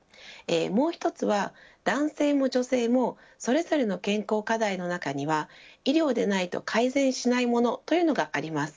もう一つは男性も女性もそれぞれの健康課題の中には医療でないと改善しないものというのがあります。